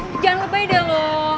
jangan lebay dah lo